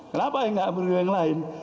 kenapa gak perlu yang lain